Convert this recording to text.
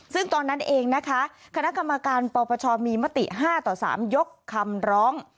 ซึ่งตอนนั้นเองนะคะคณะกรรมการปปชมีมติ๕ต่อ๓ยกคำร้อง